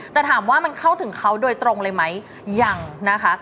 แต่ถามว่ามันเข้าถึงเขาโดยตรงเลยไหมยังนะคะ